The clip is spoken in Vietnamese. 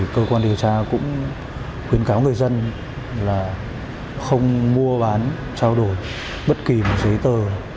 cơ quan điều tra cũng khuyến cáo người dân là không mua bán trao đổi bất kỳ giấy tờ